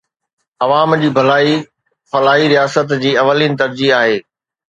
عوام جي ڀلائي فلاحي رياست جي اولين ترجيح آهي.